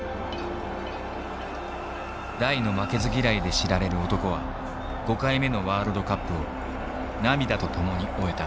大の負けず嫌いで知られる男は５回目のワールドカップを涙と共に終えた。